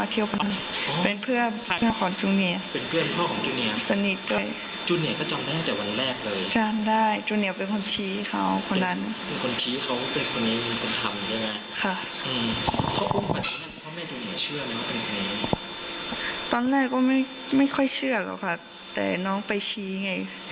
ตอนแรกก็ไม่ค่อยเชื่อหรอกค่ะแต่น้องไปชี้ไง